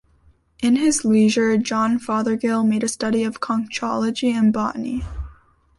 In his leisure, John Fothergill made a study of conchology and botany.